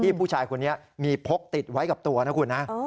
ผู้ชายคนนี้มีพกติดไว้กับตัวนะคุณนะ